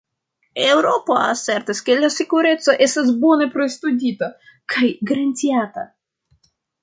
Eŭropo asertas ke la sekureco estas bone pristudita kaj garantiata.